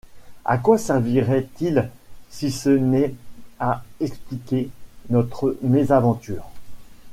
À quoi servirait-il, si ce n’est à expliquer notre mésaventure?